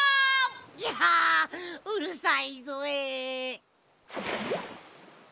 ぎゃうるさいぞえ。